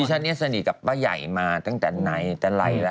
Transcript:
ฉันเนี่ยสนิทกับป้าใหญ่มาตั้งแต่ไหนแต่ไรแล้ว